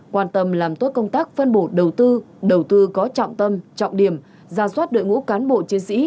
quan tâm làm tốt công tác phân bổ đầu tư đầu tư có trọng tâm trọng điểm ra soát đội ngũ cán bộ chiến sĩ